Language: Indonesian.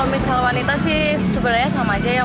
kecuali wanita sih sebenarnya sama aja